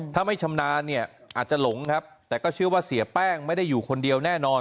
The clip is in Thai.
ถ้าไม่ชำนาญเนี่ยอาจจะหลงครับแต่ก็เชื่อว่าเสียแป้งไม่ได้อยู่คนเดียวแน่นอน